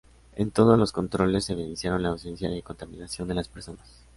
En todos los controles evidenciaron la ausencia de contaminación en las personas.